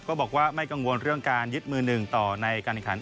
ก็บอกว่าไม่กังวลเรื่องการยึดมือหนึ่งต่อในการแข่งขัน